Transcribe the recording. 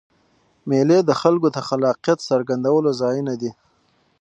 مېلې د خلکو د خلاقیت څرګندولو ځایونه دي.